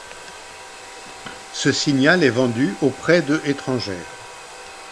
Ce signal est vendu auprès de étrangères.